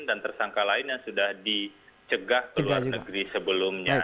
dan tersangka lain yang sudah dicegah ke luar negeri sebelumnya